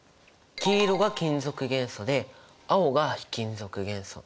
黄色が金属元素で青が非金属元素。